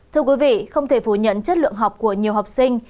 thưa quý vị không thể phủ nhận chất lượng học của nhiều học sinh